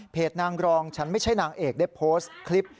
นางรองฉันไม่ใช่นางเอกได้โพสต์คลิป